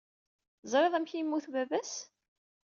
Teẓriḍ amek ay yemmut baba-s?